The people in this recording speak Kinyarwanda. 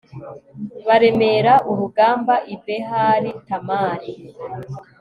baremera urugamba i behali tamari